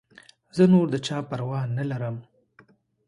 زه نور د چا پروا نه لرم.